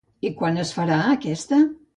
I quan es farà aquesta?